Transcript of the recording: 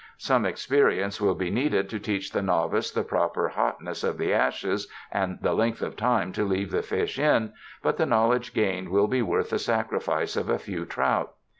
Some experience will be needed to teach the novice the proper hot ness of the ashes and the length of time to leave the fish in, but the knowledge gained will be worth the sacrifice of a few trout.